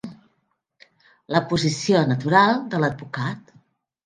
La posició natural de l'advocat.